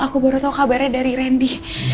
aku baru tahu kabarnya dari randy